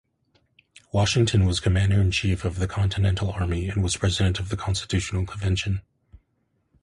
Washington was Commander-in-Chief of the Continental Army and was President of the Constitutional Convention.